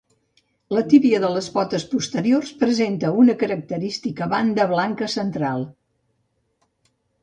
La tíbia de les potes posteriors presenta una característica banda blanca central.